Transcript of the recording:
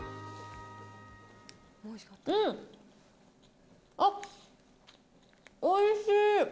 うん、あっ、おいしい。